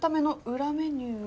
裏メニューは。